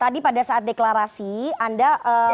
tadi pada saat deklarasi anda